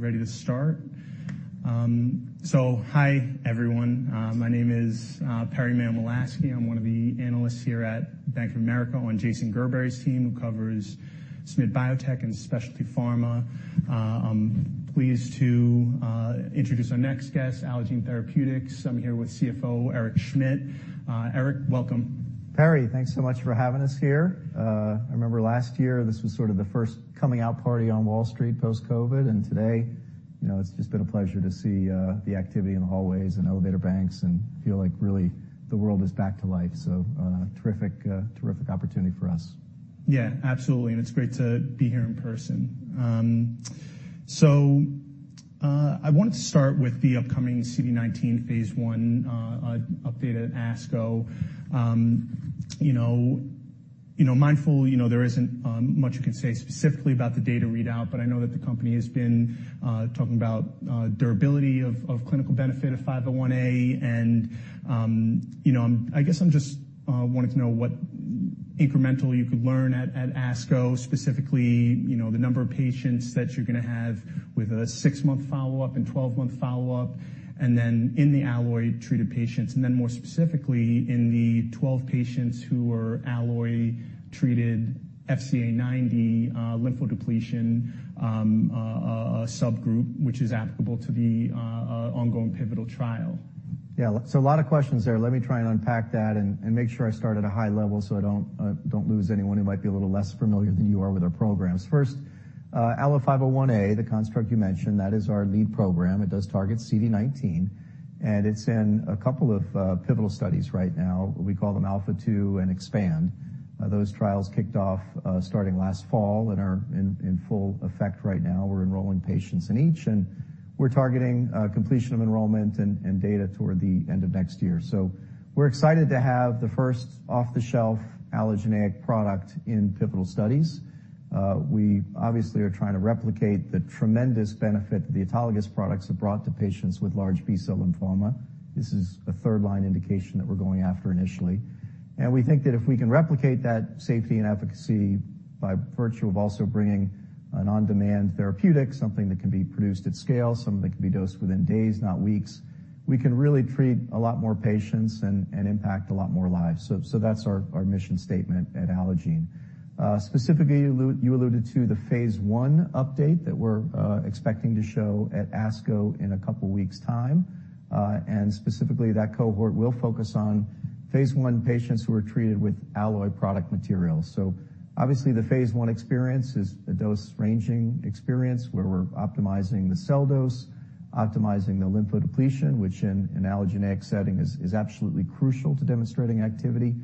Ready to start. Hi, everyone. My name is Perry Mayo-Malasky. I'm one of the analysts here at Bank of America on Jason Gerberry's team who covers SMID Biotech and Specialty Pharma. I'm pleased to introduce our next guest, Allogene Therapeutics. I'm here with CFO, Eric Schmidt. Eric, welcome. Perry, thanks so much for having us here. I remember last year this was sort of the first coming out party on Wall Street post-COVID. Today, you know, it's just been a pleasure to see, the activity in the hallways and elevator banks and feel like really the world is back to life. Terrific, terrific opportunity for us. Yeah, absolutely. It's great to be here in person. I wanted to start with the upcoming CD19 phase 1 update at ASCO. You know, mindful, you know, there isn't much you can say specifically about the data readout, but I know that the company has been talking about durability of clinical benefit of 501A. You know, I guess I'm just wanting to know what incremental you could learn at ASCO, specifically, you know, the number of patients that you're gonna have with a 6-month follow-up and 12-month follow-up, and then in the Alloy-treated patients, and then more specifically in the 12 patients who were Alloy-treated FCA 90 lymphodepletion subgroup, which is applicable to the ongoing pivotal trial. Yeah. A lot of questions there. Let me try and unpack that and make sure I start at a high level so I don't lose anyone who might be a little less familiar than you are with our programs. First, ALLO-501A, the construct you mentioned, that is our lead program. It does target CD19, and it's in a couple of pivotal studies right now. We call them ALPHA2 and EXPAND. Those trials kicked off starting last fall and are in full effect right now. We're enrolling patients in each, and we're targeting completion of enrollment and data toward the end of next year. We're excited to have the first off-the-shelf allogeneic product in pivotal studies. We obviously are trying to replicate the tremendous benefit the autologous products have brought to patients with large B-cell lymphoma. This is a third-line indication that we're going after initially. We think that if we can replicate that safety and efficacy by virtue of also bringing an on-demand therapeutic, something that can be produced at scale, something that can be dosed within days, not weeks, we can really treat a lot more patients and impact a lot more lives. That's our mission statement at Allogene. Specifically, you alluded to the phase 1 update that we're expecting to show at ASCO in a couple weeks' time. Specifically that cohort will focus on phase 1 patients who are treated with Alloy product materials. Obviously the Phase 1 experience is a dose-ranging experience where we're optimizing the cell dose, optimizing the lymphodepletion, which in an allogeneic setting is absolutely crucial to demonstrating activity.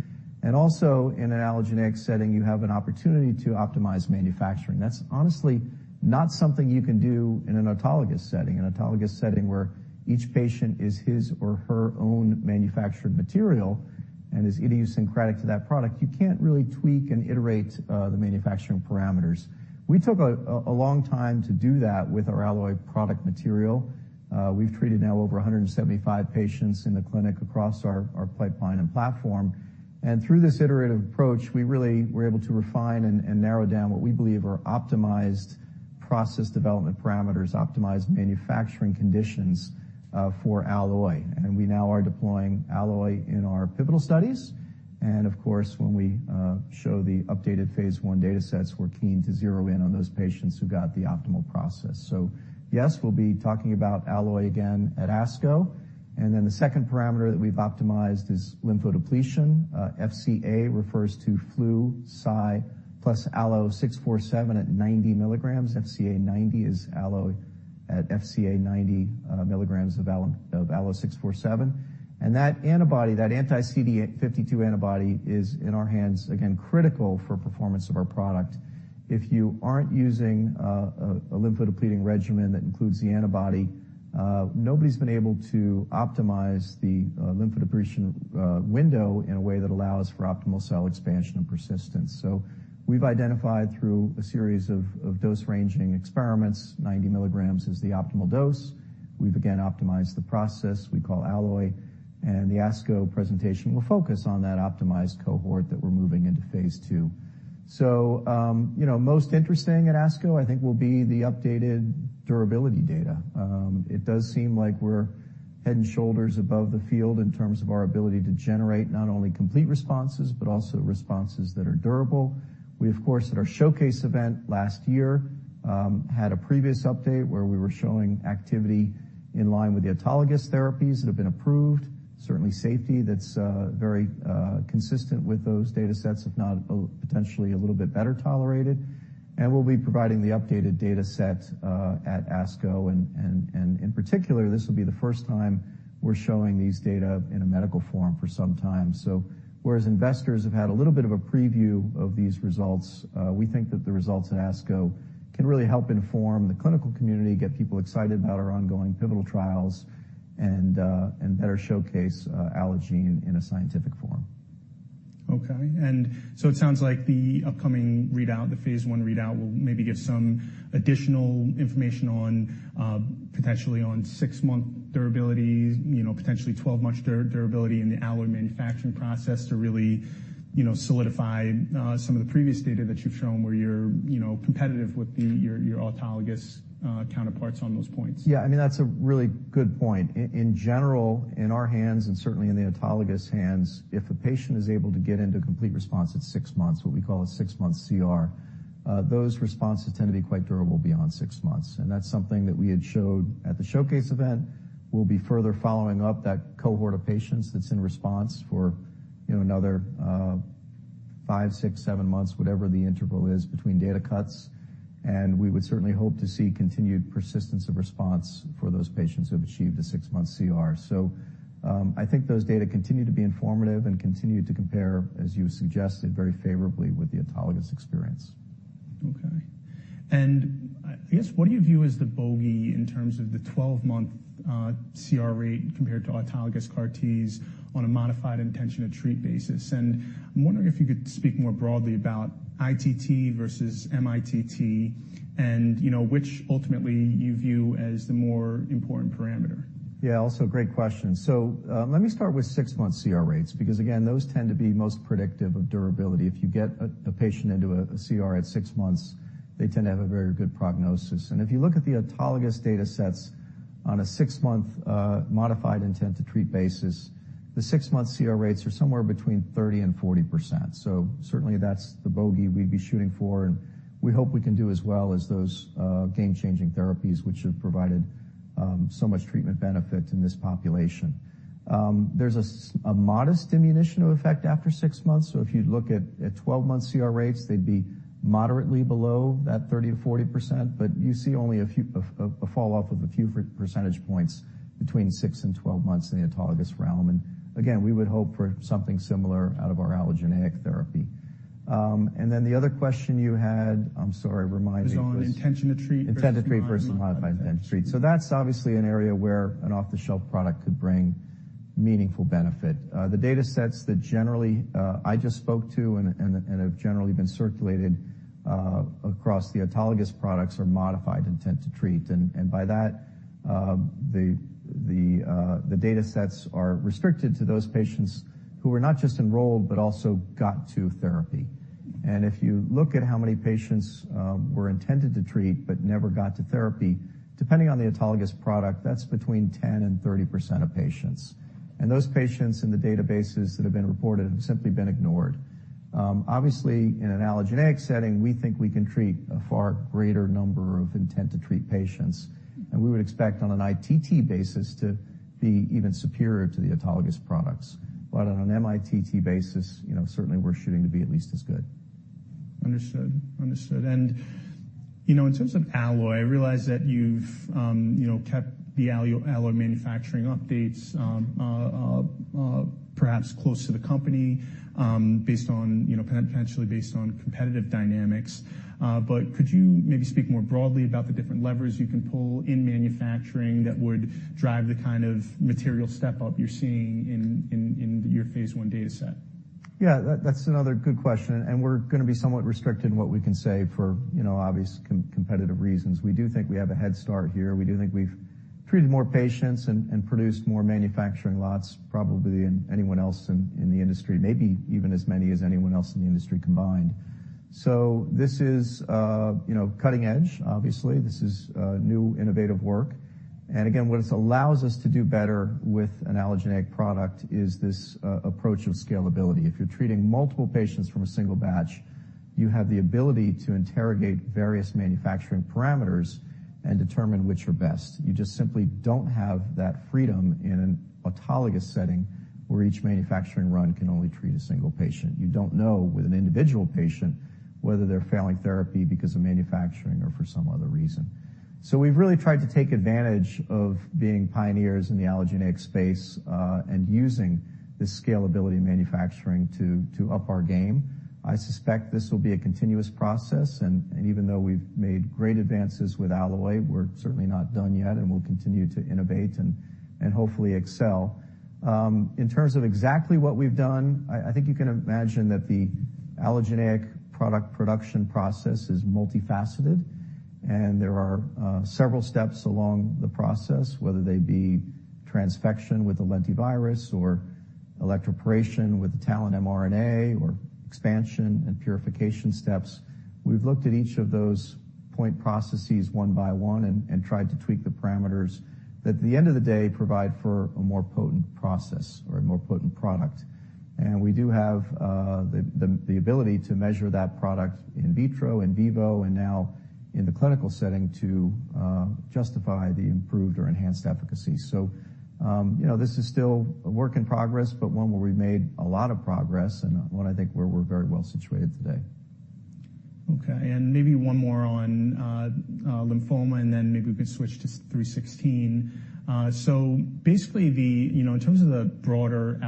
Also in an allogeneic setting, you have an opportunity to optimize manufacturing. That's honestly not something you can do in an autologous setting. An autologous setting where each patient is his or her own manufactured material and is idiosyncratic to that product. You can't really tweak and iterate the manufacturing parameters. We took a long time to do that with our Alloy product material. We've treated now over 175 patients in the clinic across our pipeline and platform. Through this iterative approach, we really were able to refine and narrow down what we believe are optimized process development parameters, optimized manufacturing conditions for Alloy. We now are deploying Alloy in our pivotal studies. Of course, when we show the updated Phase 1 data sets, we're keen to zero in on those patients who got the optimal process. Yes, we'll be talking about Alloy again at ASCO. The second parameter that we've optimized is lymphodepletion. FCA refers to flu, cy, plus ALLO-647 at 90 milligrams. FCA90 is 90 milligrams of ALLO-647. That anti-CD52 antibody is in our hands, again, critical for performance of our product. If you aren't using a lymphodepleting regimen that includes the antibody, nobody's been able to optimize the lymphodepletion window in a way that allows for optimal cell expansion and persistence. We've identified through a series of dose-ranging experiments, 90 milligrams is the optimal dose. We've again optimized the process we call Alloy, and the ASCO presentation will focus on that optimized cohort that we're moving into phase 2. You know, most interesting at ASCO, I think, will be the updated durability data. It does seem like we're head and shoulders above the field in terms of our ability to generate not only complete responses, but also responses that are durable. We, of course, at our showcase event last year, had a previous update where we were showing activity in line with the autologous therapies that have been approved. Certainly safety that's very consistent with those datasets, if not potentially a little bit better tolerated. We'll be providing the updated dataset at ASCO, and in particular, this will be the first time we're showing these data in a medical form for some time. Whereas investors have had a little bit of a preview of these results, we think that the results at ASCO can really help inform the clinical community, get people excited about our ongoing pivotal trials, and better showcase Allogene in a scientific form. Okay. It sounds like the upcoming readout, the phase 1 readout, will maybe give some additional information on, potentially on 6-month durability, you know, potentially 12-month durability in the Alloy manufacturing process to really, you know, solidify, some of the previous data that you've shown where you're, you know, competitive with your autologous, counterparts on those points. Yeah, I mean, that's a really good point. In general, in our hands and certainly in the autologous hands, if a patient is able to get into complete response at six months, what we call a six-month CR, those responses tend to be quite durable beyond six months. That's something that we had showed at the showcase event. We'll be further following up that cohort of patients that's in response for, you know, another five, six, seven months, whatever the interval is between data cuts. We would certainly hope to see continued persistence of response for those patients who have achieved a six-month CR. I think those data continue to be informative and continue to compare, as you suggested, very favorably with the autologous experience. Okay. I guess, what do you view as the bogey in terms of the 12-month CR rate compared to autologous CAR Ts on a modified intention to treat basis? I'm wondering if you could speak more broadly about ITT versus MITT and, you know, which ultimately you view as the more important parameter. Yeah, also great question. Let me start with six-month CR rates because, again, those tend to be most predictive of durability. If you get a patient into a CR at six months, they tend to have a very good prognosis. If you look at the autologous data sets on a six-month modified intent to treat basis, the six-month CR rates are somewhere between 30% and 40%. Certainly that's the bogey we'd be shooting for, and we hope we can do as well as those game-changing therapies which have provided so much treatment benefit in this population. There's a modest diminution of effect after six months. If you'd look at 12-month CR rates, they'd be moderately below that 30%-40%. You see only a few... A falloff of a few percentage points between six and 12 months in the autologous realm. Again, we would hope for something similar out of our allogeneic therapy. The other question you had, I'm sorry, remind me. It was on intention to treat versus modified intention to treat. Intended to treat versus modified intent to treat. That's obviously an area where an off-the-shelf product could bring meaningful benefit. The data sets that generally I just spoke to and have generally been circulated across the autologous products are modified intent to treat. By that, the data sets are restricted to those patients who are not just enrolled but also got to therapy. If you look at how many patients were intended to treat but never got to therapy, depending on the autologous product, that's between 10% and 30% of patients. Those patients in the databases that have been reported have simply been ignored. Obviously, in an allogeneic setting, we think we can treat a far greater number of intent to treat patients, and we would expect on an ITT basis to be even superior to the autologous products. On an MITT basis, you know, certainly we're shooting to be at least as good. Understood. Understood. You know, in terms of Alloy, I realize that you've, you know, kept the Alloy manufacturing updates, perhaps close to the company, based on, you know, potentially based on competitive dynamics. Could you maybe speak more broadly about the different levers you can pull in manufacturing that would drive the kind of material step-up you're seeing in your phase 1 data set? That's another good question, we're gonna be somewhat restricted in what we can say for, you know, obvious competitive reasons. We do think we have a head start here. We do think we've treated more patients and produced more manufacturing lots probably than anyone else in the industry, maybe even as many as anyone else in the industry combined. This is, you know, cutting edge. Obviously, this is new, innovative work. Again, what this allows us to do better with an allogeneic product is this approach of scalability. If you're treating multiple patients from a single batch, you have the ability to interrogate various manufacturing parameters and determine which are best. You just simply don't have that freedom in an autologous setting where each manufacturing run can only treat a single patient. You don't know with an individual patient whether they're failing therapy because of manufacturing or for some other reason. We've really tried to take advantage of being pioneers in the allogeneic space, and using this scalability in manufacturing to up our game. I suspect this will be a continuous process, and even though we've made great advances with Alloy, we're certainly not done yet, and we'll continue to innovate and hopefully excel. In terms of exactly what we've done, I think you can imagine that the allogeneic product production process is multifaceted, and there are several steps along the process, whether they be transfection with a lentivirus or electroporation with the TALEN mRNA or expansion and purification steps. We've looked at each of those point processes one by one and tried to tweak the parameters that at the end of the day provide for a more potent process or a more potent product. We do have the ability to measure that product in vitro, in vivo, and now in the clinical setting to justify the improved or enhanced efficacy. You know, this is still a work in progress, but one where we've made a lot of progress and one I think where we're very well situated today. Okay. maybe one more on lymphoma, then maybe we can switch to 316. basically the... you know, in terms of the broader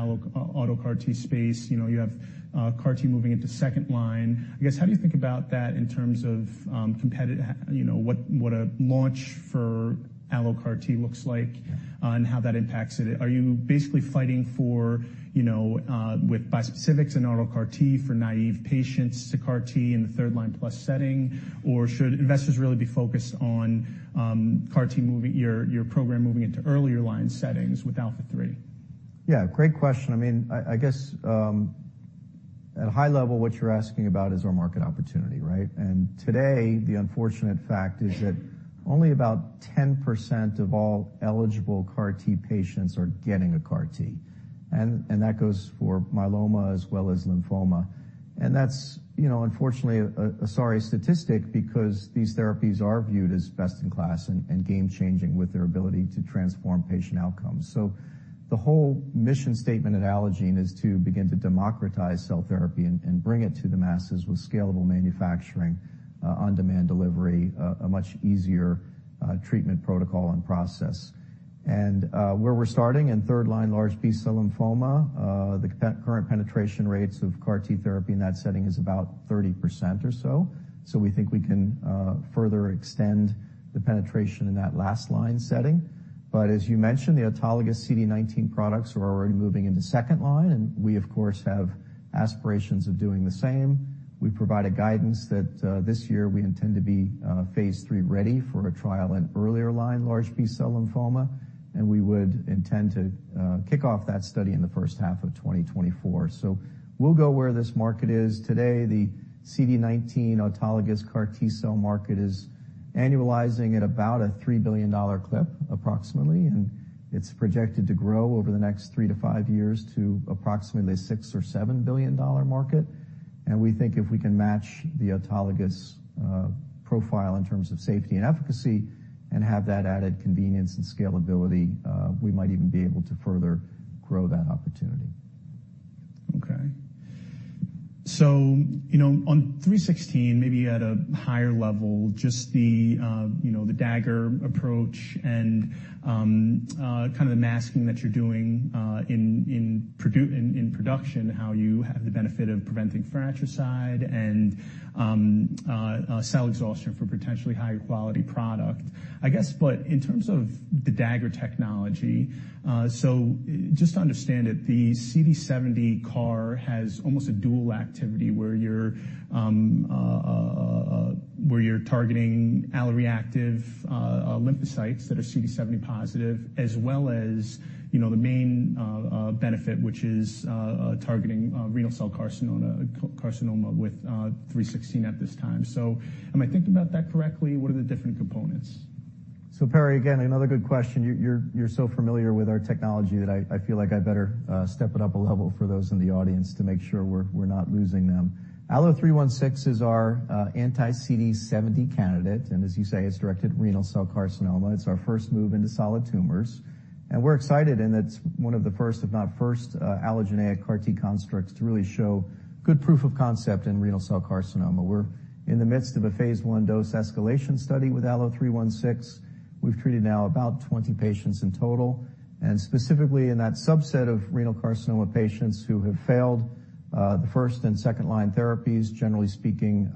auto CAR T space, you know, you have CAR T moving into second line. I guess, how do you think about that in terms of, you know, what a launch for allo CAR T looks like and how that impacts it? Are you basically fighting for, you know, with bispecifics and auto CAR T for naive patients to CAR T in the third line plus setting? Or should investors really be focused on your program moving into earlier line settings with ALPHA3? Yeah, great question. I mean, I guess, at a high level, what you're asking about is our market opportunity, right? Today, the unfortunate fact is that only about 10% of all eligible CAR T patients are getting a CAR T, and that goes for myeloma as well as lymphoma. That's, you know, unfortunately a sorry statistic because these therapies are viewed as best in class and game-changing with their ability to transform patient outcomes. The whole mission statement at Allogene is to begin to democratize cell therapy and bring it to the masses with scalable manufacturing, on-demand delivery, a much easier treatment protocol and process. Where we're starting in third line large B-cell lymphoma, the current penetration rates of CAR T therapy in that setting is about 30% or so. We think we can further extend the penetration in that last line setting. As you mentioned, the autologous CD19 products are already moving into second line, and we of course, have aspirations of doing the same. We provided guidance that this year we intend to be phase 3 ready for a trial in earlier line large B-cell lymphoma, and we would intend to kick off that study in the first half of 2024. We'll go where this market is. Today, the CD19 autologous CAR T-cell market is annualizing at about a $3 billion clip approximately, and it's projected to grow over the next three to 5 years to approximately $6 billion-$7 billion market. We think if we can match the autologous profile in terms of safety and efficacy and have that added convenience and scalability, we might even be able to further grow that opportunity. Okay. You know, on 316, maybe at a higher level, just the, you know, the Dagger approach and kinda the masking that you're doing in production, how you have the benefit of preventing fratricide and cell exhaustion for potentially higher quality product. I guess, in terms of the Dagger technology, just to understand it, the CD70 CAR has almost a dual activity where you're targeting alloreactive lymphocytes that are CD70 positive as well as, you know, the main benefit, which is targeting renal cell carcinoma with 316 at this time. Am I thinking about that correctly? What are the different components? Perry, again, another good question. You're so familiar with our technology that I feel like I better step it up a level for those in the audience to make sure we're not losing them. ALLO-316 is our anti-CD70 candidate, and as you say, it's directed at renal cell carcinoma. It's our first move into solid tumors, and we're excited, and it's one of the first, if not first allogeneic CAR T constructs to really show good proof of concept in renal cell carcinoma. We're in the midst of a phase 1 dose escalation study with ALLO-316. We've treated now about 20 patients in total. Specifically in that subset of renal cell carcinoma patients who have failed the first and second line therapies, generally speaking,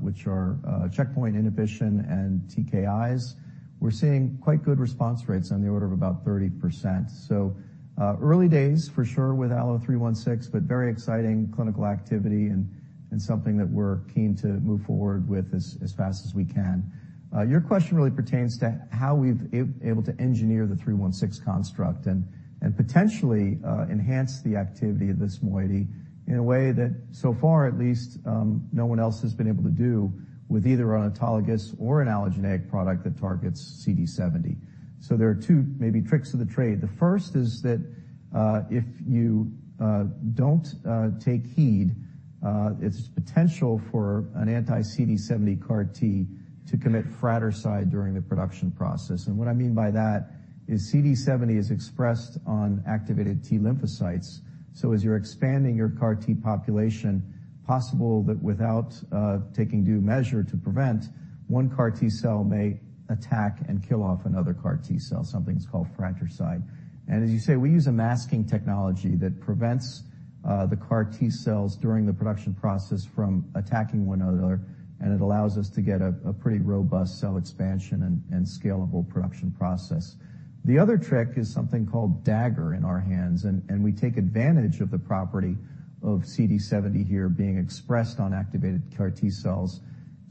which are checkpoint inhibition and TKIs, we're seeing quite good response rates on the order of about 30%. Early days for sure with ALLO-316, but very exciting clinical activity and something that we're keen to move forward with as fast as we can. Your question really pertains to how we've able to engineer the 316 construct and potentially enhance the activity of this moiety in a way that so far at least, no one else has been able to do with either an autologous or an allogeneic product that targets CD70. There are two maybe tricks to the trade. The first is that, if you don't take heed, it's potential for an anti-CD70 CAR T to commit fratricide during the production process. What I mean by that is CD70 is expressed on activated T lymphocytes. As you're expanding your CAR T population, possible that without taking due measure to prevent, one CAR T-cell may attack and kill off another CAR T-cell, something that's called fratricide. As you say, we use a masking technology that prevents the CAR T-cells during the production process from attacking one another, and it allows us to get a pretty robust cell expansion and scalable production process. The other trick is something called Dagger in our hands, and we take advantage of the property of CD70 here being expressed on activated CAR T cells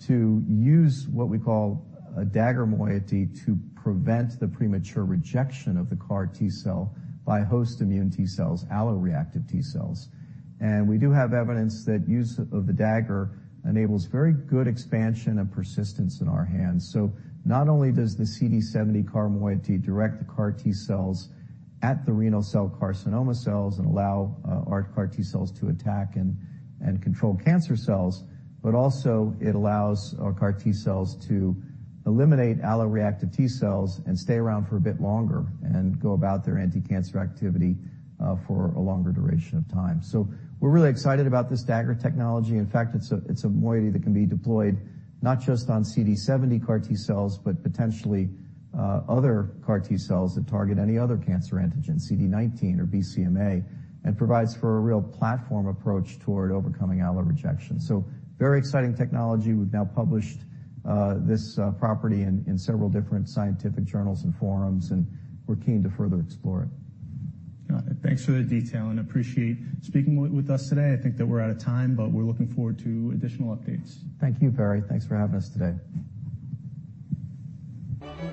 to use what we call a Dagger moiety to prevent the premature rejection of the CAR T cell by host immune T cells, alloreactive T cells. We do have evidence that use of the Dagger enables very good expansion and persistence in our hands. Not only does the CD70 CAR moiety direct the CAR T cells at the renal cell carcinoma cells and allow our CAR T cells to attack and control cancer cells, but also it allows our CAR T cells to eliminate alloreactive T cells and stay around for a bit longer and go about their anticancer activity for a longer duration of time. We're really excited about this Dagger technology. In fact, it's a moiety that can be deployed not just on CD70 CAR T-cells, but potentially other CAR T-cells that target any other cancer antigen, CD19 or BCMA, and provides for a real platform approach toward overcoming allo rejection. Very exciting technology. We've now published this property in several different scientific journals and forums, and we're keen to further explore it. Got it. Thanks for the detail, and appreciate speaking with us today. I think that we're out of time, but we're looking forward to additional updates. Thank you, Perry. Thanks for having us today.